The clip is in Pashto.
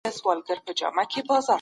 د درواغجن حافظه نه وي.